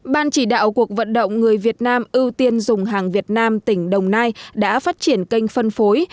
ban chỉ đạo cuộc vận động người việt nam ưu tiên dùng hàng việt nam tỉnh đồng nai đã phát triển kênh phân phối